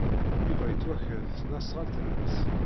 Yuba tettwaker tesnasɣalt-nnes.